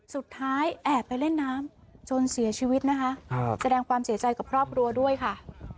แอบไปเล่นน้ำจนเสียชีวิตนะคะแสดงความเสียใจกับครอบครัวด้วยค่ะ